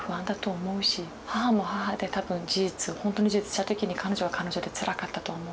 母も母で多分事実本当の事実知った時に彼女は彼女でつらかったと思う。